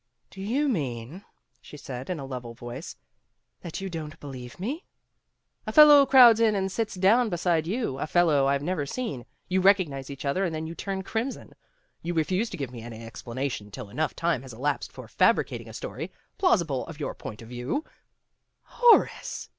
"Do you mean," she said in a level voice, "that you don't believe me?" 206 PEGGY RAYMOND'S WAY "A fellow crowds in and sits down beside you, a fellow I've never seen. You recognize each other and then you turn crimson. You refuse to give me any explanation till enough time has elapsed for fabricating a story, plausible from your point of view " "Horace